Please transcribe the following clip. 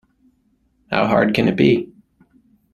How hard can it be?